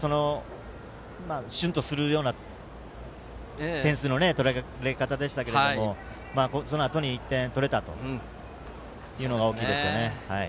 シュンとするような点数の取られ方でしたけどもそのあとに１点取れたというのが大きいです。